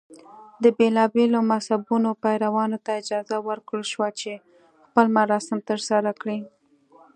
د بېلابېلو مذهبونو پیروانو ته اجازه ورکړل شوه چې خپل مراسم ترسره کړي.